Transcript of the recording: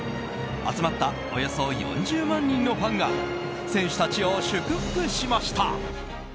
集まった、およそ４０万人のファンが祝福しました。